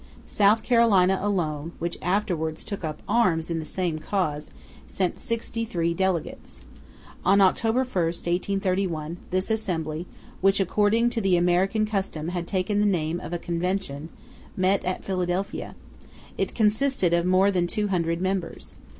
South Carolina alone, which afterwards took up arms in the same cause, sent sixty three delegates. On October 1, 1831, this assembly, which according to the American custom had taken the name of a Convention, met at Philadelphia; it consisted of more than two hundred members.